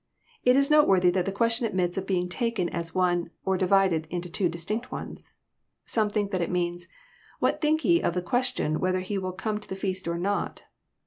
It is noteworthy that the question admits of being taken as one, or divided into two distinct ones. Some think that it means, What think ye of the question, whether He will come to the feast or not?